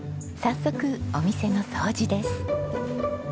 早速お店の掃除です。